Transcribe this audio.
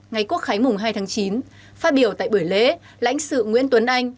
ngày quốc khánh mùng hai tháng chín phát biểu tại buổi lễ lãnh sự nguyễn tuấn anh